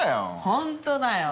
ホントだよ。